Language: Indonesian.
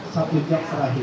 satu jam terakhir